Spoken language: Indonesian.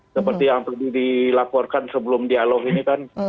seperti yang tadi dilaporkan sebelum dialog ini kan